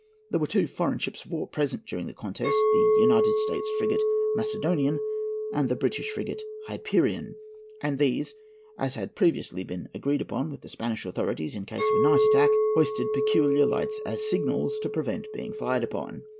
There were two foreign ships of war present during the contest, the United States frigate Macedonian and the British frigate Hyperion ; and these, as had been previously agreed upon with the Spanish authorities in case of a night attack, hoisted peculiar lights as signals, to prevent being fired upon.